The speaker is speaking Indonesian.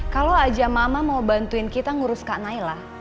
kalau aja mama mau bantuin kita ngurus kak naila